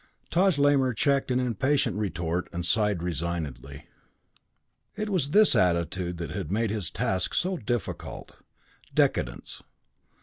Taj Lamor checked an impatient retort and sighed resignedly. It was this attitude that had made his task so difficult. Decadence.